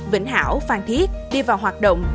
vĩnh hảo phan thiết đi vào hoạt động